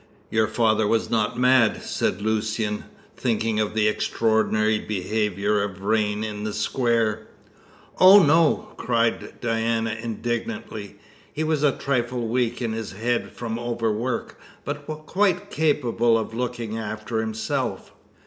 "Your father was not mad?" said Lucian, thinking of the extraordinary behaviour of Vrain in the square. "Oh, no!" cried Diana indignantly. "He was a trifle weak in the head from overwork but quite capable of looking after himself."